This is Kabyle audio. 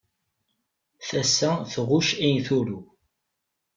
Tasa tɣucc ay turew.